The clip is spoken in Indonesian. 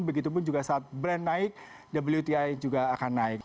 begitupun juga saat brand naik wti juga akan naik